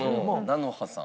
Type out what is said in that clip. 菜乃葉さん。